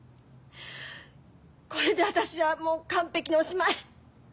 これで私はもう完璧におしまい。